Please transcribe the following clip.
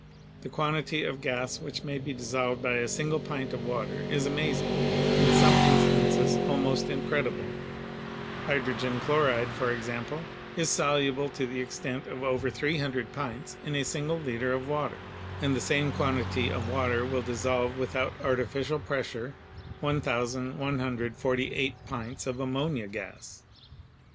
The quantity of gas which may be dissolved by a single pint of water is amazing, in some instances almost incredible. Hydrogen chloride, for example, is soluble to the extent of over 300 pints in a single liter of water; and the same quantity of water will dissolve without artificial pressure 1,148 pints of ammonia gas.